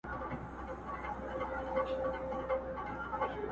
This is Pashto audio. کرۍ ورځ به کړېدی د زوی له غمه!!